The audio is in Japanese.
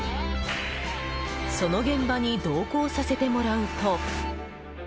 その現場に同行させてもらうと。